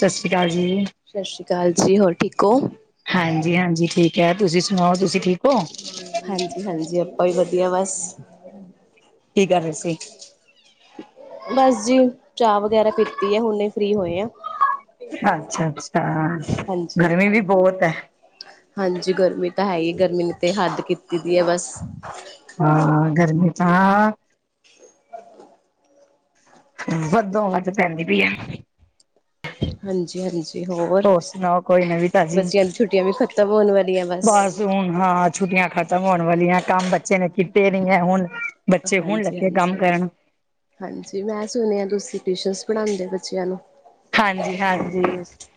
ਸਾਸਰੀ ਕਾਲ ਜੀ। ਸਸ਼ੀ ਕਾਲ ਜੀ ਹੋਰ ਠੀਕ ਓ? ਹਾਂਜੀ-ਹਾਂਜੀ ਠੀਕ ਐ ਤੁਸੀਂ ਸੁਣਾਓ ਤੁਸੀਂ ਠੀਕ ਓ? ਹਾਂਜੀ-ਹਾਂਜੀ ਆਪਾ ਵੀ ਵਧੀਆ ਬਸ। ਕੀ ਕਰ ਰਹੇ ਸੀ? ਬਸ ਜੀ, ਚਾਹ ਵਗੈਰਾ ਪੀਤੀ ਆ ਹੁਨੇ ਫਰੀ ਹੋਏ ਆ। ਅੱਛਾ-ਅੱਛਾ, ਹਾਂਜੀ। ਗਰਮੀ ਵੀ ਬਹੁਤ ਐ। ਹਾਂਜੀ ਗਰਮੀ ਤਾਂ ਹੈ ਹੀ ਗਰਮੀ ਨੇ ਤੇ ਹੱਦ ਕੀਤੀ ਦੀ ਏ ਬਸ। ਹਾਂ ਗਰਮੀ ਤਾਂ ਵੱਧੋਂ ਵੱਧ ਪੈਂਦੀ ਪਈ ਏ। ਹਾਂਜੀ-ਹਾਂਜੀ। ਤੇ ਹੋਰ, ਸੁਣਾਓ ਕੋਈ ਨਵੀਂ ਤਾਜ਼ੀ? ਬੱਚਿਆਂ ਦੀ ਛੁੱਟੀਆਂ ਵੀ ਖ਼ਤਮ ਹੋਣ ਵਾਲੀਆਂ ਬਸ। ਹੁਣ ਹਾਂ ਛੁੱਟੀਆਂ ਖਤਮ ਹੋਣ ਵਾਲੀਆਂ ਕੰਮ ਬੱਚੇ ਨੇ ਕੀਤੇ ਨੀ ਏ ਹੁਣ ਬੱਚੇ ਹੁਣ ਲੱਗੇ ਕੰਮ ਹਾਂਜੀ-ਹਾਂਜੀ, ਹਾਂਜੀ ਕਰਨ। ਹਾਂਜੀ ਮੈਂ ਸੁਣਿਆ ਤੁਸੀਂ ਟਿਊਸ਼ਨਸ ਪੜ੍ਹਾਉਂਦੇ ਹੋ ਬੱਚਿਆਂ ਨੂੰ? ਹਾਂਜੀ-ਹਾਂਜੀ,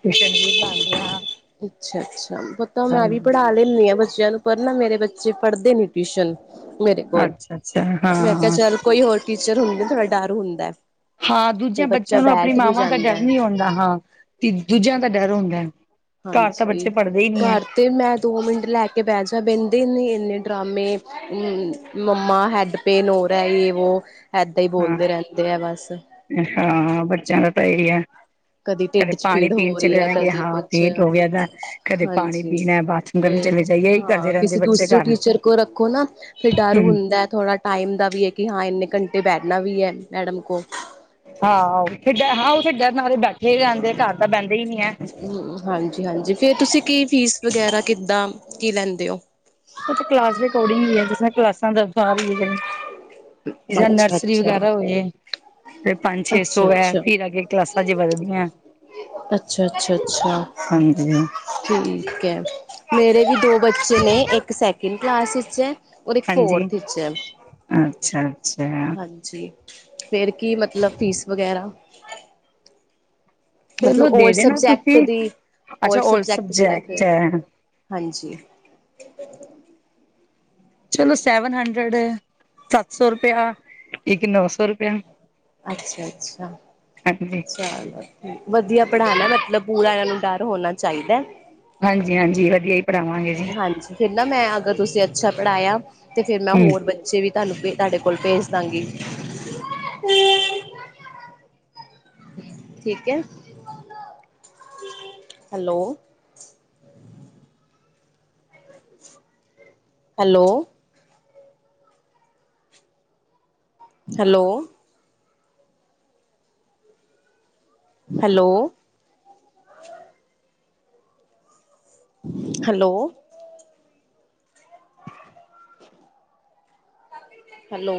ਟਿਊਸ਼ਨ ਵੀ ਪੜਾਦੇ ਹਾਂ। ਅੱਛਾ-ਅੱਛਾ ਪਤਾ ਮੈਂ ਵੀ ਪੜ੍ਹਾ ਲੈਨੀ ਆ ਬੱਚਿਆਂ ਨੂੰ ਪਰ ਨਾ ਮੇਰੇ ਬੱਚੇ ਪੜ੍ਹਦੇ ਨੀ ਟਿਊਸ਼ਨ। ਮੇਰੇ ਕੋਲ। ਅੱਛਾ ਅੱਛਾ ਮੈਂ ਕਿਹਾ ਹਾਂ ਚੱਲ ਕੋਈ ਹੋਰ ਟੀਚਰ ਹੁੰਦੇ ਥੋੜਾ ਡਰ ਹੁੰਦਾ। ਹਾਂ ਤੇ ਦੂਜਿਆਂ ਬੱਚਾ ਬੱਚਿਆਂ ਨੂੰ ਆਪਣੀ ਬੈਠ ਵੀ ਮਾਵਾਂ ਦਾ ਜਾਂਦਾ ਡਰ ਹੈ ਨੀ ਆਉਂਦਾ ਹਾਂ ਤੇ ਦੂਜਿਆਂ ਦਾ ਡਰ ਹੁੰਦਾ। ਘਰ ਤਾਂ ਹਾਂਜੀ ਬੱਚੇ ਪੜ੍ਹਦੇ ਹੀ ਨੀ ਐ। ਘਰ ਤੇ ਮੈਂ ਦੋ ਮਿੰਟ ਲੈ ਕੇ ਬਹਿ ਜਾਂ ਬਹਿੰਦੇ ਨੇ ਇੰਨੇ ਡਰਾਮੇ, ਮੰਮਾ ਹੈੱਡ। ਪੇਨ ਹੋ ਰਾ ਹੈ ਯੇ ਵੋ, ਏਦਾਂ ਹੀ ਬੋਲਦੇ ਰੈਂਦੇ ਐ ਬਸ। ਅੱਛਾ ਬੱਚੇਆਂ ਦਾ ਤਾਂ ਏਹੀ ਐ। ਕਦੀ ਢਿੱਡ 'ਚ ਪੀੜ ਹੋ ਰੀ ਐ, ਕਦੀ ਹਾਂ ਕੁਛ ਪੇਟ ਹੋ ਗਿਆ ਦਾ ਕਦੇ ਪਾਣੀ ਹਾਂਜੀ। ਪੀਣਾ ਬਾਥਰੂਮ ਤੇ ਕਰਨ ਚਲੇ ਜਾਈਏ ਇਹੀ ਹਾਂ ਕਰਦੇ ਰਹਿੰਦੇ ਕਿਸੀੇ ਬੱਚੇ ਦੂਸਰੇ ਘਰ ਟੀਚਰ ਕੋਲ ਰੱਖੋ ਨਾ ਫੇਰ ਡਰ ਹੂੰ। ਹੁੰਦੈ ਥੋੜ੍ਹਾ ਟਾਈਮ ਦਾ ਵੀ ਐ ਕਿ ਹਾਂ ਇੰਨੇ ਘੰਟੇ ਬੈਠਨਾ ਵੀ ਐ ਮੈਡਮ ਕੋਲ। ਹਾਂ ਓਥੇ ਬੈ, ਹਾਂ ਓਥੇ ਨਾਲ ਏ ਬੈਠੇ ਈ ਰੈਂਦੇ ਘਰ ਤਾਂ ਬੈਂਦੇ ਈ ਨੀ ਐ। ਹਾਂਜੀ-ਹਾਂਜੀ ਫਿਰ ਤੁਸੀਂ ਕੀ ਫੀਸ ਵਗੈਰਾ ਕਿੱਦਾਂ ਕੀ ਲੈਂਦੇ ਓ? ਓ ਤਾਂ ਕਲਾਸ ਦੇ ਅਕੋਰਡਿੰਗ ਈ ਏ ਜਿਸ ਤਰਾਂ ਕਲਾਸਾਂ ਦਾ ਅਨੁਸਾਰ ਈ ਏ। ਜਿਸ ਤਰਾਂ ਅੱਛਾ ਨਰਸਰੀ ਅੱਛਾ ਵਗੈਰਾ ਹੋਏ ਤੇ ਪੰਜ-ਛੇ ਅੱਛਾ ਸੌ ਐ ਅੱਛਾ ਫੇਰ ਅੱਗੇ ਕਲਾਸਾਂ [unintelligible] ਵਧਦੀਆਂ। ਅੱਛਾ, ਅੱਛਾ, ਅੱਛਾ। ਹਾਂਜੀ ਠੀਕ ਐ, ਮੇਰੇ ਵੀ ਦੋ ਬੱਚੇ ਨੇ ਇੱਕ ਸੈਕਿੰਡ ਕਲਾਸ 'ਚ ਐ। ਔਰ ਇੱਕ ਹਾਂਜੀ। ਫੋਰਥ 'ਚ ਐ ਅੱਛਾ-ਅੱਛਾ ਹਾਂ ਜੀ, ਫੇਰ ਕੀ ਮਤਲਬ ਫੀਸ ਵਗੈਰਾ ਚਲੋ ਮਤਲਬ ਓਲ ਦੇ ਦੇਣਾ ਸਬਜੈਕਟ ਤੁਸੀਂ ਦੀ, ਓਲ ਸਬਜੈਕਟ ਦੀ ਰੱਖਦੇ ਆਂ। ਹਾਂਜੀ। ਚਲੋ ਸੈਵਨ ਹੰਡਰਡ, ਸੱਤ ਸੌ ਰੁਪਇਆ ਇੱਕ ਨੌ ਸੌ ਰੁਪਇਆ। ਅੱਛਾ-ਅੱਛਾ, ਹਾਂਜੀ। ਚਲੋ ਵਦੀਆ ਪੜ੍ਹਾਨਾ ਮਤਲਬ ਪੂਰਾ ਏਨਾਂ ਨੂੰ ਡਰ ਹੋਨਾ ਚਾਈਦੈ। ਹਾਂਜੀ-ਹਾਂਜੀ ਵਦੀਆ ਈ ਹਾਂਜੀ ਫੇਰ ਨਾ ਮੈਂ ਅਗਰ ਤੁਸੀਂ ਅੱਛਾ ਪੜ੍ਹਾਇਆ ਤੇ ਫਿਰ ਮੈਂ ਹੂੰ। ਹੋਰ ਬ ਬੱਚੇ ਵੀ ਤੁਆਨੂ ਤੁਆਡੇ ਕੋਲ ਭੇਜ ਦਾਂਗੀ। ਠੀਕ ਐ? Hello. Hello. Hello. Hello. Hello. Hello.